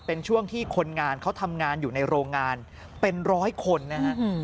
เป็นช่วงที่คนงานเขาทำงานอยู่ในโรงงานเป็นร้อยคนนะฮะ